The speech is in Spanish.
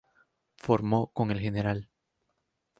Formó con el Gral.